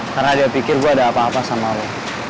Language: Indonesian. karena dia pikir gue ada apa apa sama lo